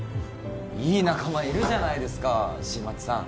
いい仲間いるじゃないですか新町さん